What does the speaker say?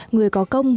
người có công